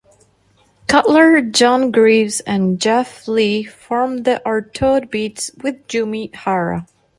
Cutler, John Greaves and Geoff Leigh formed The Artaud Beats with Yumi Hara.